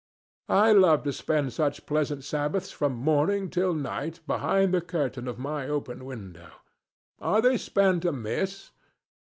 I love to spend such pleasant Sabbaths from morning till night behind the curtain of my open window. Are they spent amiss?